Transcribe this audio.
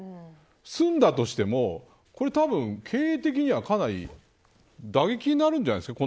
済んだとしても経営的にはかなり打撃になるんじゃないですか。